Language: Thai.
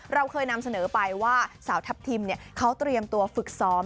เราเคยนำเสนอไปว่าสาวทัพทิมเขาเตรียมตัวฝึกซ้อม